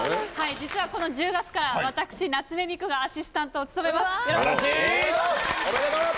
実はこの１０月から私夏目三久がアシスタントを務めます。